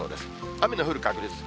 雨の降る確率。